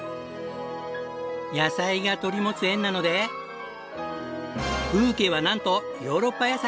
野菜が取り持つ縁なのでブーケはなんとヨーロッパ野菜！